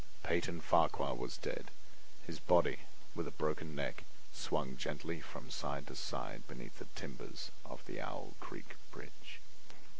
Peyton Farquhar was dead; his body, with a broken neck, swung gently from side to side beneath the timbers of the Owl Creek bridge.